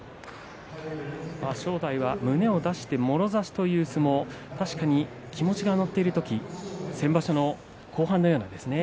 正代は胸を出してもろ差しという相撲、確かに気持ちが乗っている時先場所の後半のようなですね。